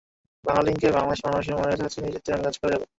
বাংলালিংককে বাংলাদেশের মানুষের মনের কাছাকাছি নিয়ে যেতে আমি কাজ করে যাব।